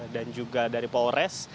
dan juga dari polres